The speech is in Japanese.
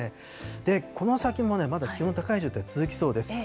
この先もまだ気温の高い状態、続きそうです。